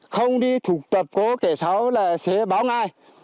không đi thuộc tập của kẻ xấu là sẽ báo ngai